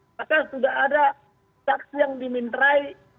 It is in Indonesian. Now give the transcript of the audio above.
apakah sudah ada saksi yang dimintai